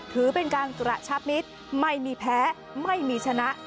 ถือเป็นการกระชับมิตรไม่มีแพ้ไม่มีชนะ